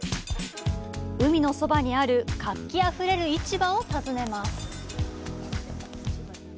海のそばにある、活気あふれる市場を訪ねます。